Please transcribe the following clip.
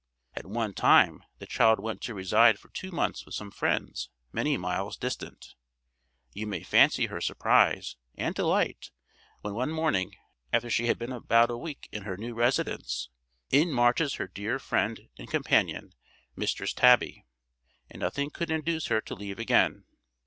At one time the child went to reside for two months, with some friends many miles distant. You may fancy her surprise and delight when one morning, after she had been about a week in her new residence, in marches her dear friend and companion Mistress Tabby, and nothing could induce her to leave again.